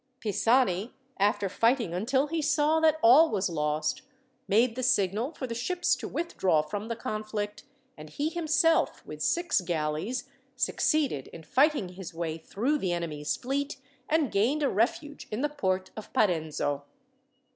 Pisani, after fighting until he saw that all was lost, made the signal for the ships to withdraw from the conflict, and he himself, with six galleys, succeeded in fighting his way through the enemy's fleet, and gained a refuge in the port of Parenzo.